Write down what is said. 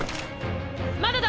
まだだ！！